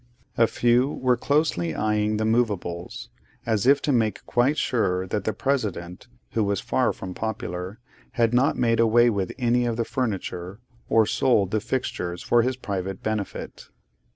A few were closely eyeing the movables, as if to make quite sure that the President (who was far from popular) had not made away with any of the furniture, or sold the fixtures for his private benefit.